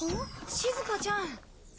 しずかちゃん。